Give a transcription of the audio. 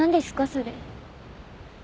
それ。